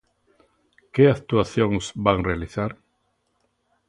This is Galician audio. ¿Que actuacións van realizar?